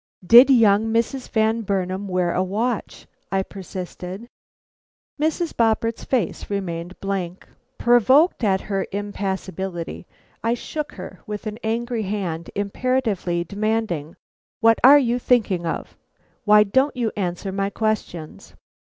"Did young Mrs. Van Burnam wear a watch?" I persisted. Mrs. Boppert's face remained a blank. Provoked at her impassibility, I shook her with an angry hand, imperatively demanding: "What are you thinking of? Why don't you answer my questions?"